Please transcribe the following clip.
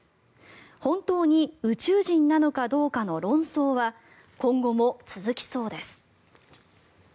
本当に宇宙人なのかどうかの論争は今後も続きそうです。